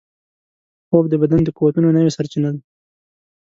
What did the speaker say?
خوب د بدن د قوتونو نوې سرچینه ده